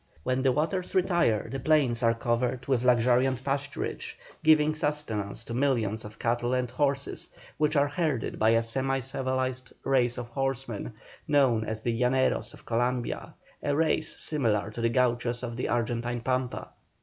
When the waters retire, the plains are covered with luxuriant pasturage, giving sustenance to millions of cattle and horses, which are herded by a semi civilized race of horsemen, known as the "llaneros" of Columbia, a race similar to the "gauchos" of the Argentine pampa.